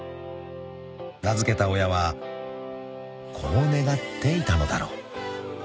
［名付けた親はこう願っていたのだろう］